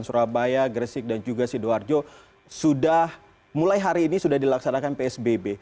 surabaya gresik dan juga sidoarjo sudah mulai hari ini sudah dilaksanakan psbb